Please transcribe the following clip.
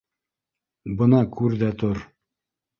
— Бына күр ҙә тор.